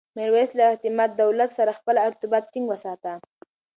میرویس له اعتمادالدولة سره خپل ارتباط ټینګ وساته.